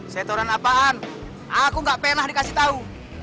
setoran apaan aku gak pernah dikasih tahu